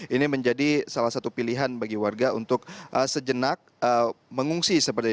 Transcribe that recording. ini menjadi salah satu pilihan bagi warga untuk sejenak mengungsi